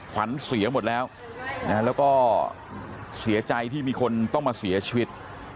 ขวัญเสียหมดแล้วแล้วก็เสียใจที่มีคนต้องมาเสียชีวิต